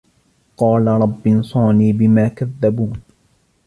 قال رب انصرني بما كذبون